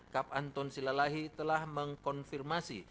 kap anton silalahi telah mengkonfirmasi